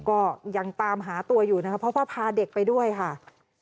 ก็ยังตามหาตัวอยู่นะคะเพราะว่าพาเด็กไปด้วยค่ะ